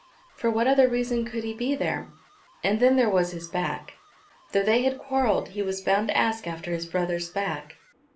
For what other reason could he be there? And then there was his back. Though they had quarrelled he was bound to ask after his brother's back.